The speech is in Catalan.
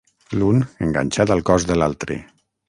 L'un enganxat al cos de l'altre.